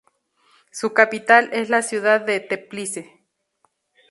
Su capital es la ciudad de Teplice.